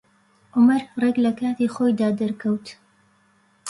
عومەر ڕێک لە کاتی خۆیدا دەرکەوت.